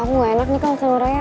aku gak enak nih kalau seluruh raya